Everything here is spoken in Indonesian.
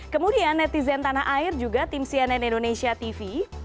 kemudian netizen tanah air juga tim cnn indonesia tv